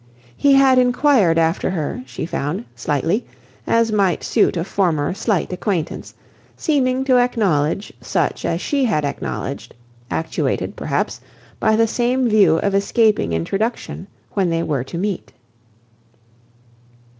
He had inquired after her, she found, slightly, as might suit a former slight acquaintance, seeming to acknowledge such as she had acknowledged, actuated, perhaps, by the same view of escaping introduction when they were to meet.